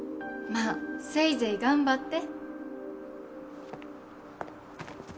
まっせいぜい頑張って。